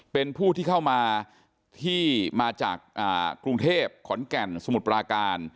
เป็นผู้ที่เข้ามาที่มาจากกรุงเทพขอนแก่นสมุทรปราการ